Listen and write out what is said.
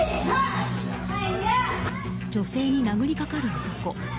女性に殴りかかる男。